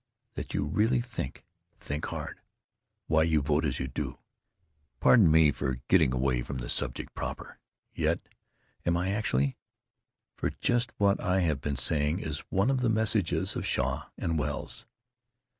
that you really think, think hard, why you vote as you do?... Pardon me for getting away from the subject proper—yet am I, actually? For just what I have been saying is one of the messages of Shaw and Wells.